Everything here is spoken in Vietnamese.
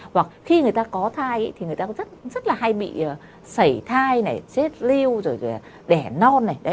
hoặc khi người ta có thai thì người ta rất là hay bị sảy thai này chết lưu rồi đẻ non này đấy